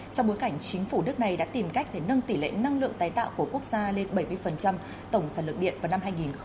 trong bối cảnh chính phủ nước này đã tìm cách để nâng tỷ lệ năng lượng tái tạo của quốc gia lên bảy mươi tổng sản lượng điện vào năm hai nghìn ba mươi